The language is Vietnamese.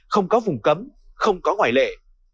không có vùng cấm không có ngoại lệ